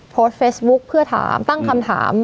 โพสเฟสบุ๊กตั้งคำถาม